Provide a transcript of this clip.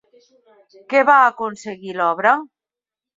Què va aconseguir l'obra?